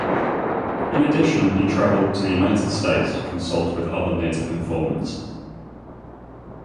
In addition he traveled to the United States to consult with other native informants.